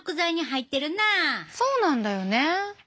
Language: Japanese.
そうなんだよね。